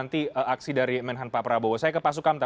nanti aksi dari menhan pak prabowo saya ke pak sukamta